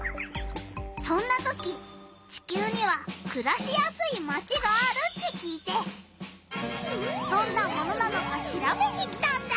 そんな時地きゅうにはくらしやすいマチがあるって聞いてどんなものなのかしらべに来たんだ！